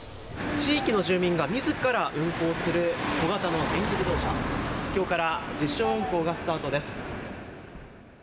地域の住民がみずから運行する小型の電気自動車、きょうから実証運行がスタートです。